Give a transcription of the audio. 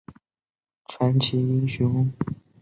阿米尼亚阻止罗马帝国入侵德国北部的传奇英雄。